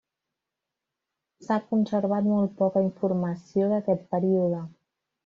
S'ha conservat molt poca informació d'aquest període.